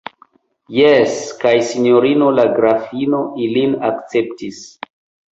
Jes, kaj sinjorino la grafino ilin akceptis.